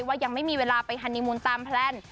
ว่ายังไม่มีเวลาไปฮันนีมูลตามแพลน